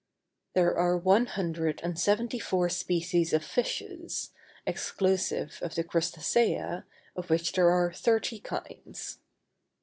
There are one hundred and seventy four species of fishes, exclusive of the crustacea, of which there are thirty kinds.